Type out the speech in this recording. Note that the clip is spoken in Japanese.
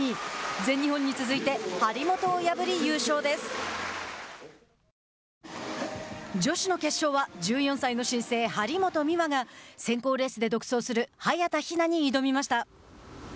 全日本に続いて女子の決勝は１４歳の新星張本美和が選考レースで独走する早田ひなに挑みました。